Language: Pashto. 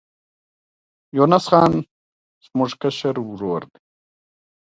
د بازار مطالعه د بری راز دی.